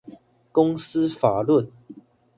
公司法論